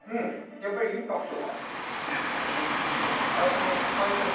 やっぱりインパクトが。